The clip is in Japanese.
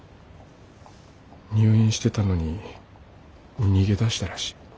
入院してたのに逃げ出したらしい。